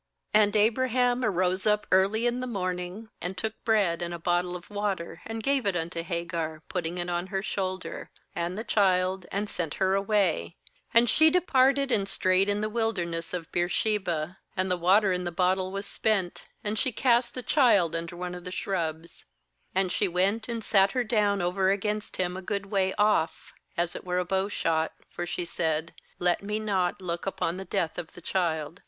"And Abraham rose up early in the morning, and took bread and a bottle of water, and gave it unto Hagar, putting it on her shoul der, and the child, and sent her away; and she departed, and strayed in the wilderness of Beer sheba. I5And the water in the bottle was spent, and she cast the child under one of the shrubs. 16And she went, and sat her down over against him a good way off, as it were a bowshot; for she said: ' Let me not look upon the death of the child.'